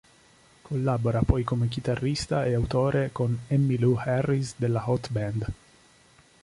Collabora poi come chitarrista e autore con Emmylou Harris nella Hot Band.